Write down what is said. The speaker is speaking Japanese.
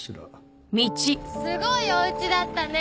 すごいお家だったね。